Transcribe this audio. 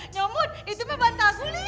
nyomot itu meban tangguling